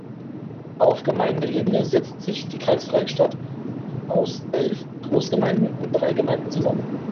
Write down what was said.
Auf Gemeindeebene setzt sich die kreisfreie Stadt aus elf Großgemeinden und drei Gemeinden zusammen.